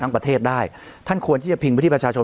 ประเทศได้ท่านควรที่จะพิงไปที่ประชาชน